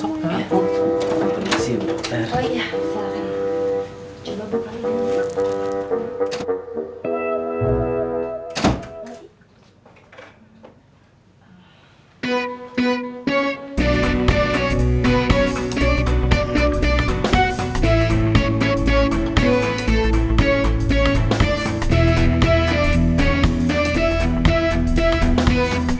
terima kasih bu dokter